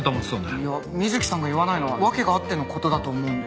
いや水木さんが言わないのは訳があっての事だと思うので。